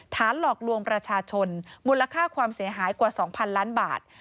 หลอกลวงประชาชนมูลค่าความเสียหายกว่า๒๐๐๐ล้านบาท